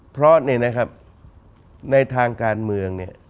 เพราะในทางการเมือง